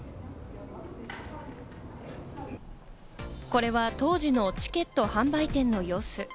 これは当時のチケット販売店の様子。